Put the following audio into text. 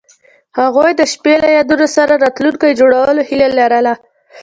هغوی د شپه له یادونو سره راتلونکی جوړولو هیله لرله.